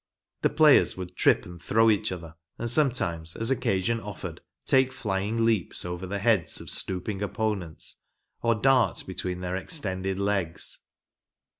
The players would trip and throw each other, and sometimes as occasion offered, take flying leaps over the heads of stooping opponents, or dart between their extended legs.